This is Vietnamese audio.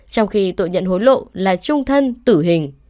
trong khi tội nhận hối lộ là trung thân tử hình